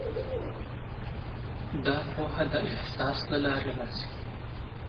دا پوهه د احساس له لارې راځي.